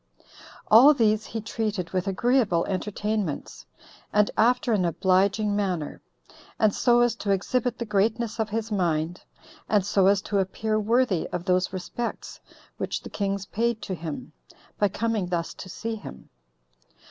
All these he treated with agreeable entertainments, and after an obliging manner, and so as to exhibit the greatness of his mind, and so as to appear worthy of those respects which the kings paid to him, by coming thus to see him.